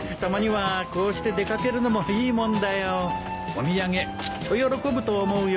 お土産きっと喜ぶと思うよ。